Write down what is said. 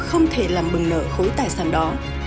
không thể làm bừng nợ khối tài sản đó